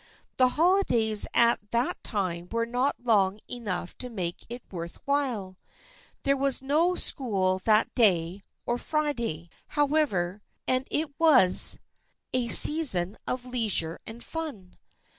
The holidays at that time were not long enough to make it worth while. There was no school that day or Friday, however, and it was a 110 THE FRIENDSHIP OF AXXE season of leisure and fun.